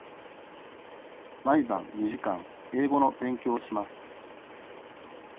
毎晩二時間英語の勉強をします。